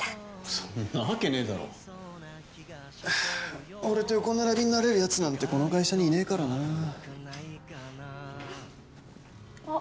そんなわけねえだろ俺と横並びになれるやつなんてこの会社にいねえからなあっ